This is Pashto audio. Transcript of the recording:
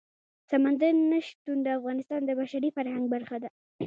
سمندر نه شتون د افغانستان د بشري فرهنګ برخه ده.